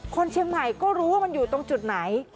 คนเชียงใหม่ก็รู้ว่ามันอยู่ตรงจุดไหน